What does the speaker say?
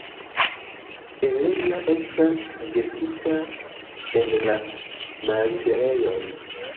Helena estas ĵetita en la malliberejon.